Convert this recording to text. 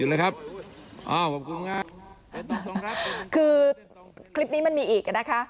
อ่าขอบคุณค่ะคือคลิปนี้มันมีอีกนะคะ